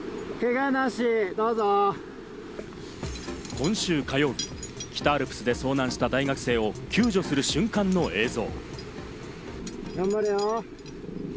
今週火曜日、北アルプスで遭難した大学生を救助する瞬間の映像。